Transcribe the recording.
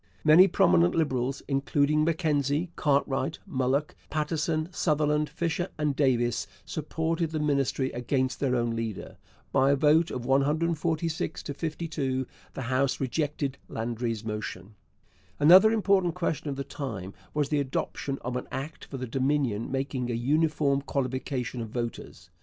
Many prominent Liberals including Mackenzie, Cartwright, Mulock, Paterson, Sutherland, Fisher, and Davies supported the Ministry against their own leader. By a vote of 146 to 52 the House rejected Landry's motion. Another important question of the time was the adoption of an Act for the Dominion making a uniform qualification of voters.